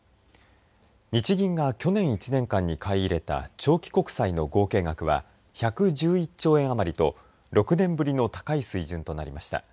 日銀が去年１年間に買い入れた長期国債の合計額は１１１兆円余りと６年ぶりの高い水準となりました。